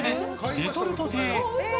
レトルト亭。